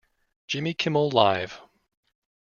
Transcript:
Jimmy Kimmel Live!